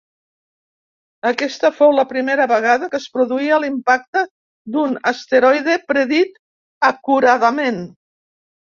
Aquesta fou la primera vegada que es produïa l'impacte d'un asteroide predit acuradament.